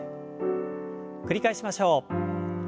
繰り返しましょう。